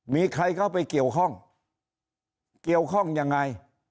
มีใครเข้าไปเกี่ยวข้องเกี่ยวข้องยังไง